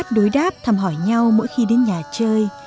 câu hát đối đáp thăm hỏi nhau mỗi khi đến nhà chơi